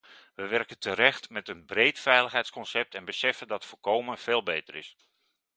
We werken terecht met een breed veiligheidsconcept en beseffen dat voorkómen veel beter is.